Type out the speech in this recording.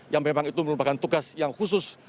yang memang itu merupakan tugas yang khusus